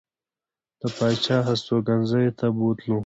د پاچا هستوګنځي ته بوتلو.